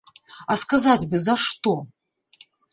А сказаць бы, за што?